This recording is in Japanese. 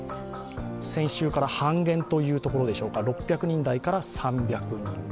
先週から半減というところでしょうか、６００人台から３００人台。